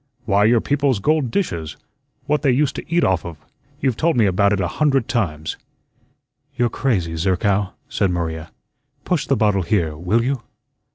"Why, your people's gold dishes, what they used to eat off of. You've told me about it a hundred times." "You're crazy, Zerkow," said Maria. "Push the bottle here, will you?"